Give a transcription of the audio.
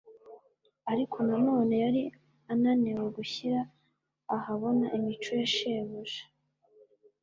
ariko noneho yari ananiwe gushyira ahabona imico ya Shebuja.